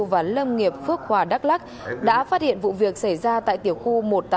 và lâm nghiệp phước hòa đắk lắc đã phát hiện vụ việc xảy ra tại tiểu khu một trăm tám mươi tám